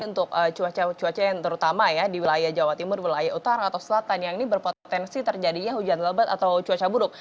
untuk cuaca cuaca yang terutama ya di wilayah jawa timur wilayah utara atau selatan yang ini berpotensi terjadinya hujan lebat atau cuaca buruk